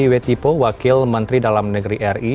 watipu wakil menteri dalam negeri ri